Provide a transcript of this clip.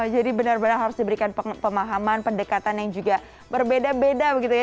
jadi benar benar harus diberikan pemahaman pendekatan yang juga berbeda beda begitu ya